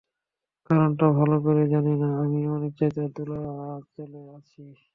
কারণটা ভালো করে জানি না, আমিও অনিশ্চয়তার দোলাচলে আছি!